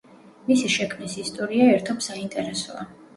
მისი შექმნის ისტორია ერთობ საინტერესოა.